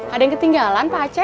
ada yang ketinggalan pak aceh